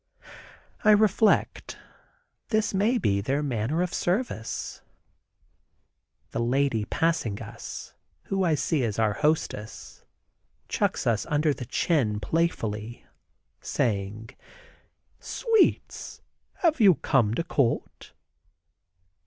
I reflect; this may be their manner of service. The lady passing us, (who I see is our hostess) chucks us under the chin playfully, saying, "Sweets, have you come to court?"